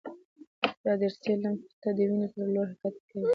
دا دریڅې لمف ته د وینې په لوري حرکت ورکوي.